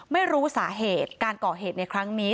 ไม่รู้สาเหตุการก่อเหตุในครั้งนี้